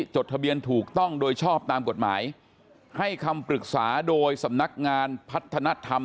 จดทะเบียนถูกต้องโดยชอบตามกฎหมายให้คำปรึกษาโดยสำนักงานวัฒนธรรม